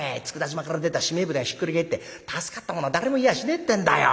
佃島から出たしめえ舟がひっくり返って助かった者は誰もいやしねえってんだよ。